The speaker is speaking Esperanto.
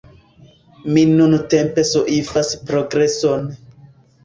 Ni multe soifas progreson.